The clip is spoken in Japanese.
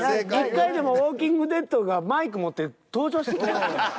１回でも「ウォーキング・デッド」がマイク持って登場してきたか？